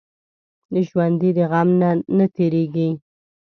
ژوندي د غم نه تېریږي